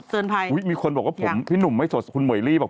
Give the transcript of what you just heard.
เสือนภัยยังอุ๊ยมีคนบอกว่าผมพี่หนุ่มไม่สดคุณหม่อยลี่บอก